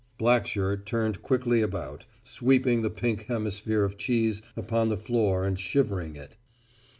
Blackshirt turned quickly about, sweeping the pink hemisphere of cheese upon the floor and shivering it.